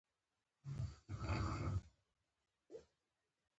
احمد زما پر حق سترګې پټې کړې.